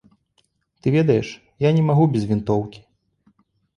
Ты ведаеш, як я не магу без вінтоўкі.